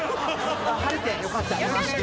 晴れてよかった。